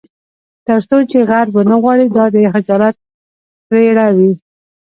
تر څو چې غرب ونه غواړي دا د خجالت پرپړه وي.